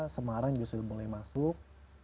kemarin justru mulai masuk